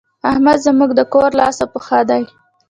احمد زموږ د کور لاس او پښه دی.